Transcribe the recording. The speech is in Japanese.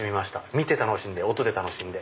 見て楽しんで音で楽しんで。